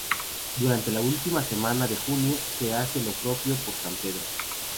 Durante la última semana de junio se hace lo propio por San Pedro.